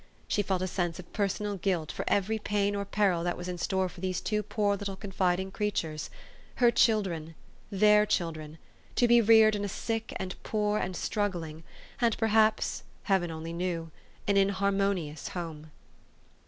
She felt a sense of personal guilt for every pain or peril that was in store for these two poor little confid ing creatures her children, their children to be reared in a sick and poor and struggling, and per haps (Heaven only knew) an inharmonious home.